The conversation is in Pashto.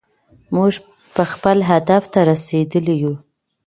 موږ به خپل هدف ته رسېدلي يو.